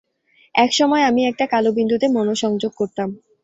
এক সময় আমি একটা কালো বিন্দুতে মনঃসংযম করতাম।